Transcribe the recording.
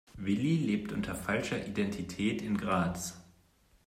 Willi lebt unter falscher Identität in Graz.